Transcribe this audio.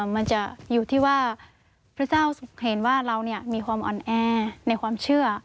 มันจะอยู่ที่ว่าพระเจ้าเห็นว่าเรามีความอ่อนแอในความเชื่อ